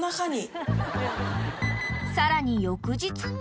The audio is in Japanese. ［さらに翌日も］